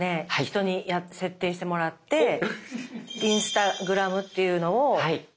人に設定してもらってインスタグラムというのを。